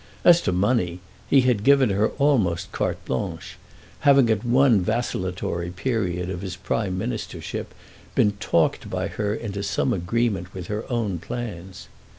As to money, he had given her almost carte blanche, having at one vacillatory period of his Prime Ministership been talked by her into some agreement with her own plans.